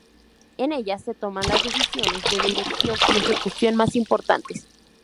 En ella, se toman las decisiones de dirección y ejecución más importantes.